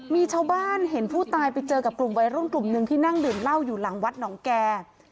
มีชาวบ้านเห็นผู้ตายไปเจอกับกลุ่มวัยรุ่นกลุ่มหนึ่งที่นั่งดื่มเหล้าอยู่หลังวัดหนองแก่